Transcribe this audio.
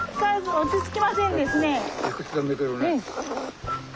落ち着きませんですね。